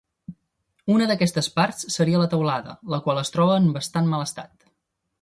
Una d'aquestes parts seria la teulada, la qual es troba en bastant mal estat.